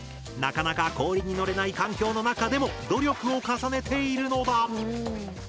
なかなか氷にのれない環境の中でも努力を重ねているのだ。